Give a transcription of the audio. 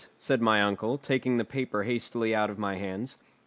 said my uncle, taking the paper hastily out of my hands.